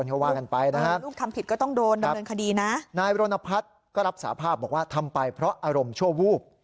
เขาว่ากันไปนะครับครับนายบรณพัฒน์ก็รับสาภาพบอกว่าทำไปเพราะอารมณ์ชั่ววูบ